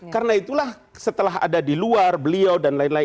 karena itulah setelah ada di luar beliau dan lain lain